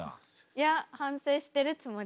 いや反省してるつもり。